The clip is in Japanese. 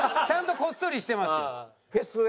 ちゃんとこっそりしてます。